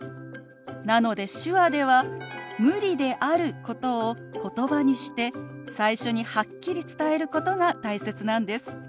なので手話では「無理」であることを言葉にして最初にはっきり伝えることが大切なんです。